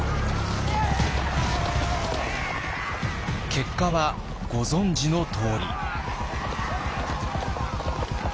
結果はご存じのとおり。